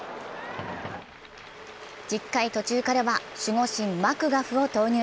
１０回途中からは守護神・マクガフを投入。